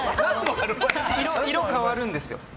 色変わるんですよ。